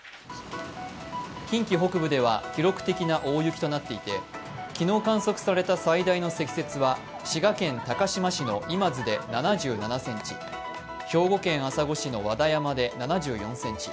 近畿北部では記録的な大雪となっていて、昨日観測された最大の積雪は滋賀県高島市の今津で７７ｃｍ、兵庫県朝来市の和田山で７４ｃｍ